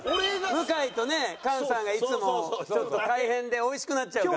向井とね菅さんがいつもちょっと大変でおいしくなっちゃうから。